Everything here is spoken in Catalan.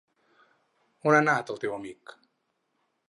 On ha anat, el teu amic?